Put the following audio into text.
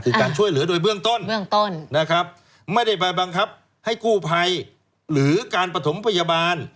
คือการช่วยเหลือโดยเบื้องต้นเบื้องต้นนะครับไม่ได้ไปบังคับให้กู้ภัยหรือการประถมพยาบาล